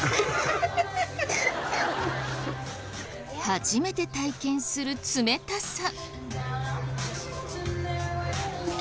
初めて体験する冷たさ。